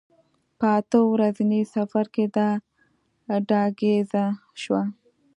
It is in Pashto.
په اته ورځني سفر کې دا ډاګیزه شوه.